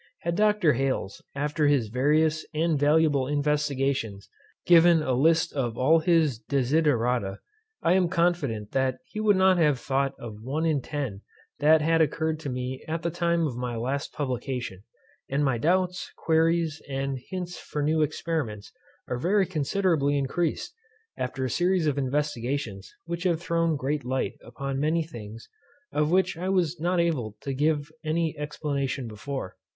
Had Dr. Hales, after his various and valuable investigations, given a list of all his desiderata, I am confident that he would not have thought of one in ten that had occurred to me at the time of my last publication; and my doubts, queries, and hints for new experiments are very considerably increased, after a series of investigations, which have thrown great light upon many things of which I was not able to give any explanation before.